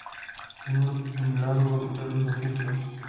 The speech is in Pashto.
له نورو توندلارو ډلو توپیر کړو.